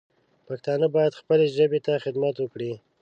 پښتانه باید خپلې ژبې ته خدمت وکړي